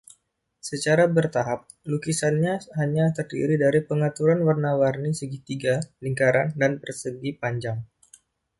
Secara bertahap, lukisannya hanya terdiri dari pengaturan warna-warni segitiga, lingkaran, dan persegi panjang.